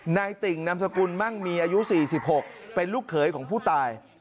ติ่งนามสกุลมั่งมีอายุ๔๖เป็นลูกเขยของผู้ตาย